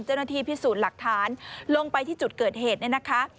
เจ้าหน้าที่พิสูจน์หลักฐานลงไปที่จุดเกิดเหตุเนี่ยนะคะ